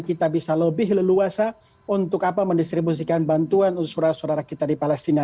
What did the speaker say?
kita bisa lebih leluasa untuk mendistribusikan bantuan surat suara kita di palestina